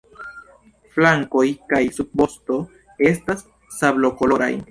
Flankoj kaj subvosto estas sablokoloraj.